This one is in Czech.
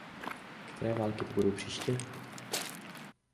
Které války to budou příště?